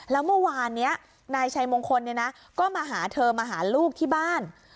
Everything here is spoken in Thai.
แล้วเมื่อวานนี้นายชัยมงคลก็มาหาเธอมาหาลูกที่บ้าน